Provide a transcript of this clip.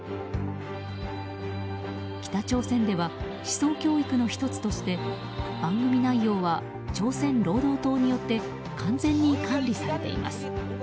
北朝鮮では思想教育の１つとして番組内容は朝鮮労働党によって完全に管理されています。